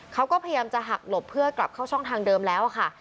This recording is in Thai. เขาก็พยายามจะหักหลบเพื่อกลับเข้าช่องทางเดิมแล้วค่ะ